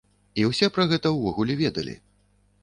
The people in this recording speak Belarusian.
І ўсе пра гэта ўвогуле ведалі.